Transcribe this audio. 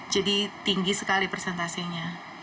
jadi tinggi sekali presentasenya